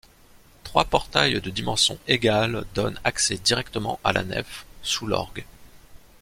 Trois portails de dimension égale donnent accès directement à la nef, sous l’orgue.